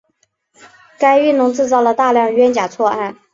该运动制造了大量冤假错案。